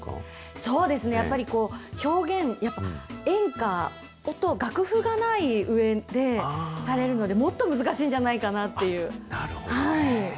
そうですね、やっぱりこう、表現、演歌、音、楽譜がないうえで、されるので、もっと難しいんじゃないかなという。